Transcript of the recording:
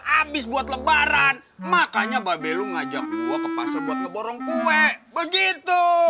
habis buat lebaran makanya babel lu ngajak gua ke pasar buat ngeborong kue begitu